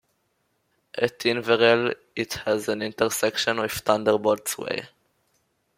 At Inverell it has an intersection with Thunderbolts Way.